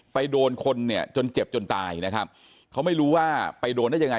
ไปโดนคนเนี่ยจนเจ็บจนตายนะครับเขาไม่รู้ว่าไปโดนได้ยังไง